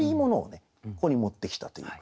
ここに持ってきたという句で。